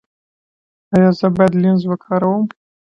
ایا زه باید لینز وکاروم؟